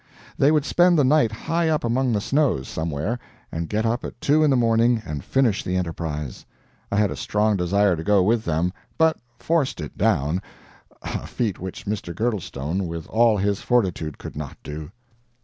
They would spend the night high up among the snows, somewhere, and get up at two in the morning and finish the enterprise. I had a strong desire to go with them, but forced it down a feat which Mr. Girdlestone, with all his fortitude, could not do.